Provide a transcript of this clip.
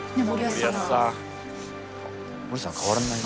森保さん変わらないね。